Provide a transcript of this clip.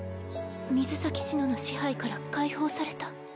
水崎紫乃の支配から解放された？